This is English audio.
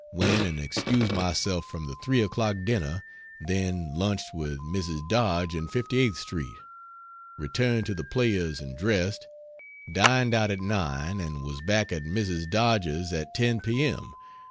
went and excused myself from the 3 o'clock dinner, then lunched with Mrs. Dodge in 58th street, returned to the Players and dressed, dined out at 9, and was back at Mrs. Dodge's at 10 p. m.